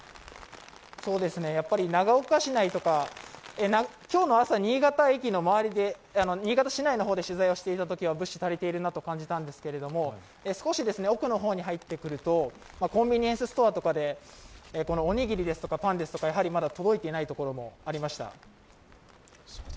長岡市内とか、今日の朝新潟市内の方で取材したときは物資が足りているなと感じていたんですけど、少し奥の方に入っていくとコンビニエンスストアで、おにぎりですとかパンですとかまだ届いていないところもありました。